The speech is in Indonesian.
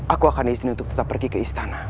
aku akan izin untuk tetap pergi ke istana